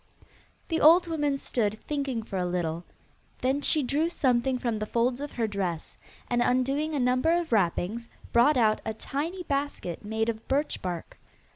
The old woman stood thinking for a little: then she drew something from the folds of her dress, and, undoing a number of wrappings, brought out a tiny basket made of birch bark.